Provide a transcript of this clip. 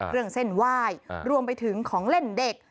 เรื่องเส้นว่ายรวมไปถึงของเล่นเด็ก